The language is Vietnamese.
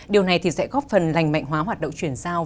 điều này thì sẽ góp phần lành mạnh hóa hoạt động chuyển giao